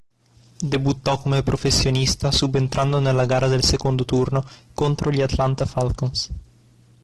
Debuttò come professionista subentrando nella gara del secondo turno contro gli Atlanta Falcons.